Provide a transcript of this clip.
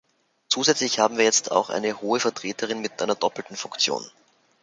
Zusätzlich haben wir jetzt auch eine Hohe Vertreterin mit einer doppelten Funktion.